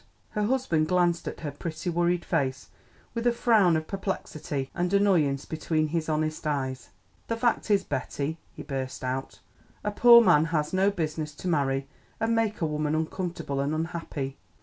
Her husband glanced at her pretty worried face with a frown of perplexity and annoyance between his honest eyes. "The fact is, Betty," he burst out, "a poor man has no business to marry and make a woman uncomfortable and unhappy.